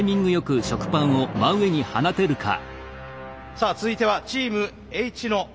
さあ続いてはチームＨ野。